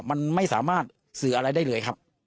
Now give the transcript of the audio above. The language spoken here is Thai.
มันไม่สามารถสื่ออะไรได้เลยครับ